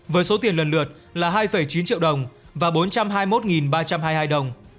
với số tiền lần lượt là hai chín triệu đồng và bốn trăm hai mươi một ba trăm hai mươi hai đồng